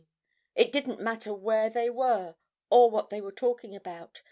It didn't matter where they were or what they were talking about.